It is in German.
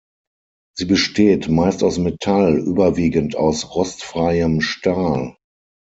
Sie besteht meist aus Metall, überwiegend aus rostfreiem Stahl.